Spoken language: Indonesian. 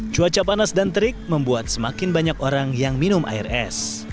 cuaca panas dan terik membuat semakin banyak orang yang minum air es